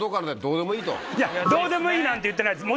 いやどうでもいいなんて言ってないです。